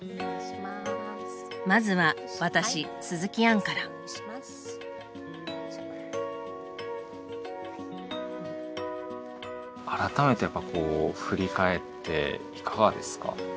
まずは私鈴木杏から改めてやっぱこう振り返っていかがですか？